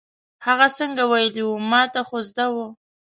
هغه څنګه ویلې وه، ما ته خو زده وه.